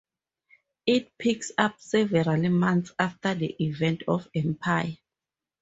It picks up several months after the events of "Empire".